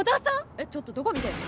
えっちょっとどこ見てるの？